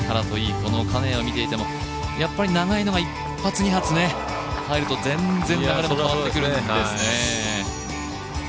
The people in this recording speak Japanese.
この金谷を見ていても長いのが１発、２発入ると全然、流れが変わってくるんですよね。